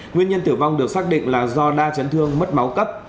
nguyên nhân tử vong được xác định là do đa chấn thương mất máu cấp